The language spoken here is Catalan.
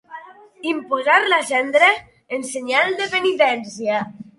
Imposar la cendra en senyal de penitència.